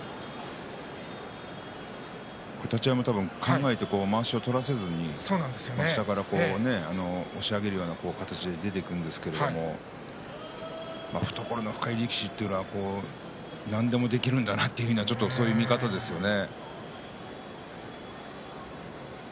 立ち合いも多分琴恵光は考えてもまわしを取らせずに下から押し上げる形で出ていくんですが懐の深い力士というのは何でもできるんだなとそういう見方ですね。